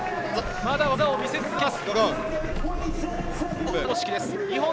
まだ技を見せ続けます。